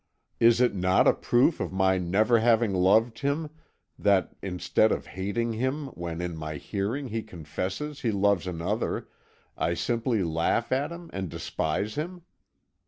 Is it not a proof of my never having loved him, that, instead of hating him when in my hearing he confesses he loves another, I simply laugh at him and despise him?